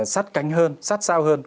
sát cánh hơn sát sao hơn